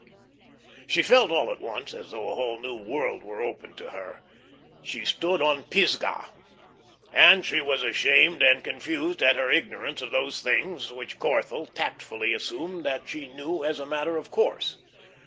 She felt all at once as though a whole new world were opened to her. She stood on Pisgah. And she was ashamed and confused at her ignorance of those things which Corthell tactfully assumed that she knew as a matter of course.